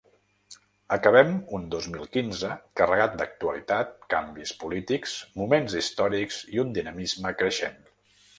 Acabem un dos mil quinze carregat d’actualitat, canvis polítics, moments històrics i un dinamisme creixent.